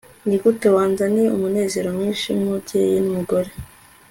nigute wanzaniye umunezero mwinshi nkumubyeyi numugore